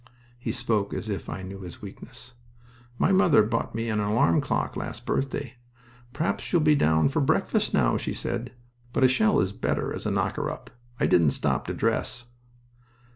[He spoke as if I knew his weakness.] My mother bought me an alarm clock last birthday. 'Perhaps you'll be down for breakfast now,' she said. But a shell is better as a knocker up. I didn't stop to dress."